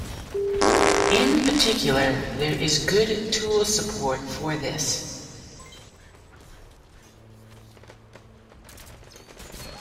In particular, there is good tool support for this.